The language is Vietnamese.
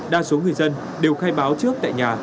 đa số người dân đều khai báo trước tại nhà